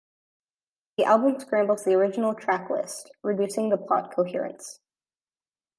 The album scrambles the original track list, reducing the plot's coherence.